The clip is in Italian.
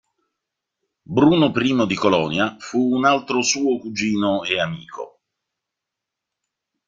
Bruno I di Colonia fu un altro suo cugino e amico.